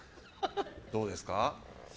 どうですか？